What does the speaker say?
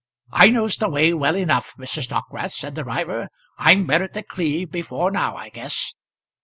"I knows the way well enough, Mrs. Dockwrath," said the driver. "I've been at The Cleeve before now, I guess."